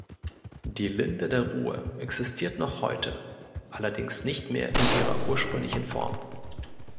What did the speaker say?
Die "Linde der Ruhe" existiert noch heute, allerdings nicht mehr in ihrer ursprünglichen Form.